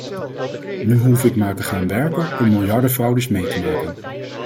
Nu hoef ik maar te gaan werken om miljardenfraudes mee te maken.